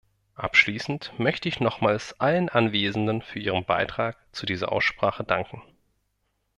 Abschließend möchte ich nochmals allen Anwesenden für ihren Beitrag zu dieser Aussprache danken.